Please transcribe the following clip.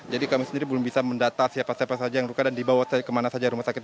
jadi kami sendiri belum bisa mendata siapa siapa saja yang luka dan dibawa kemana saja rumah sakit